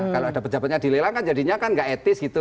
kalau ada pejabatnya dilelang kan jadinya kan gak etis gitu